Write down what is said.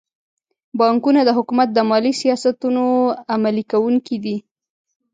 بانکونه د حکومت د مالي سیاستونو عملي کوونکي دي.